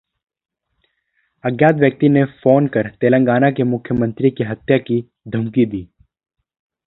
अज्ञात व्यक्ति ने फोन कर तेलंगाना के मुख्यमंत्री की हत्या की धमकी दी